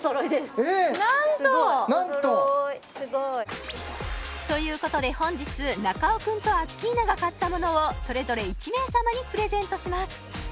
えっなんと！ということで本日中尾君とアッキーナが買ったものをそれぞれ１名様にプレゼントします